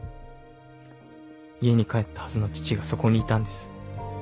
家に帰ったはずの父がそこにいたんです。